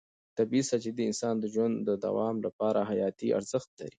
طبیعي سرچینې د انسان د ژوند د دوام لپاره حیاتي ارزښت لري.